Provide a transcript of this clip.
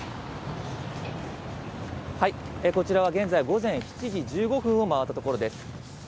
こちらは現在、午前７時１５分を回ったところです。